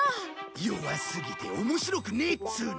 弱すぎて面白くねえっつうの！